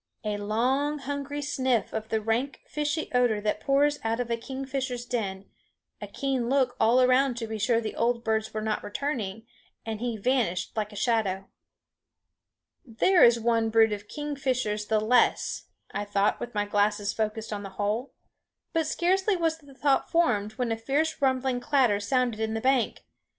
A long hungry sniff of the rank fishy odor that pours out of a kingfisher's den, a keen look all around to be sure the old birds were not returning, and he vanished like a shadow. "There is one brood of kingfishers the less," I thought, with my glasses focused on the hole. But scarcely was the thought formed, when a fierce rumbling clatter sounded in the bank.